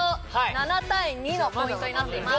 ７対２のポイントになっています